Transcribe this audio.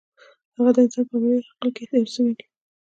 هغه د انسان په عملي عقل کې یو څه ویني.